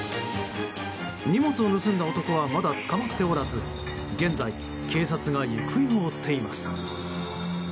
荷物を盗んだ男はまだ捕まっておらず現在、警察が行方を追っています。